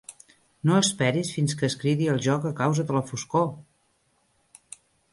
No esperis fins que es cridi el joc a causa de la foscor!